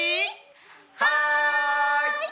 はい！